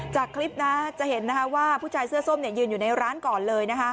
จากคลิปนะจะเห็นว่าผู้ชายเสื้อส้มยืนอยู่ในร้านก่อนเลย